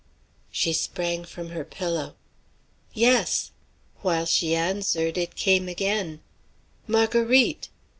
She sprang from her pillow. "Yes!" While she answered, it came again, "Marguerite!"